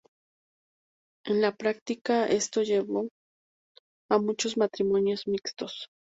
En la práctica esto llevó a muchos matrimonios mixtos.